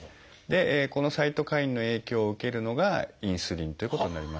このサイトカインの影響を受けるのがインスリンということになります。